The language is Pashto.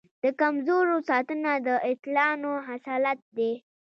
د کمزورو ساتنه د اتلانو خصلت دی.